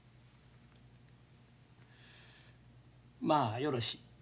まあよろし。